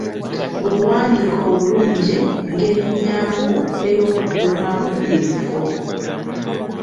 Obuwandiike obulungi ngeri ennyangu ey'okukuumamu ebifo.